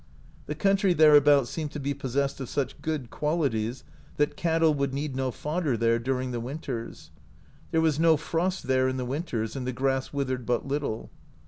The country thereabouts seemed to be possessed of such good qualities that cattle would need no fodder there during the winters. There was no frost there in the winters, and the grass withered but little.